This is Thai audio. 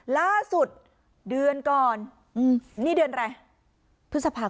ล่าสุดเดือนก่อนนี่เดือนอะไรพฤษภาคม